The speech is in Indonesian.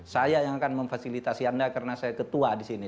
saya yang akan memfasilitasi anda karena saya ketua di sini